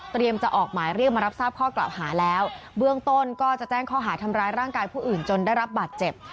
จะออกหมายเรียกมารับทราบข้อกล่าวหาแล้วเบื้องต้นก็จะแจ้งข้อหาทำร้ายร่างกายผู้อื่นจนได้รับบาดเจ็บ